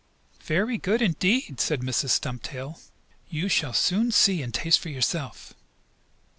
"Very good, indeed," said Mrs. Stumptail. "You shall soon see and taste for yourself."